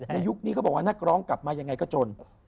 ยุคนี้เขาบอกว่านักร้องกลับมายังไงก็จน